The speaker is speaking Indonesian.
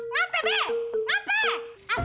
ngapain be ngapain